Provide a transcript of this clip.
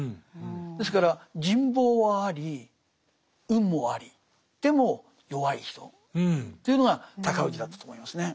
ですから人望はあり運もありでも弱い人というのが尊氏だったと思いますね。